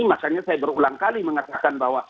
makanya saya berulang kali mengatakan bahwa